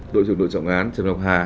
đội chủ đội trọng án trần ngọc hà